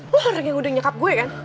lo orang yang udah nyekap gue kan